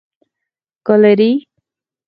ګالري